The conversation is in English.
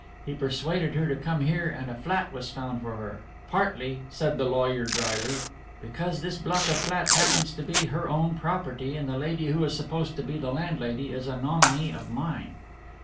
He persuaded her to come here and a flat was found for her. Partly," said the lawyer dryly, "because this block of flats happens to be her own property and the lady who is supposed to be the landlady is a nominee of mine."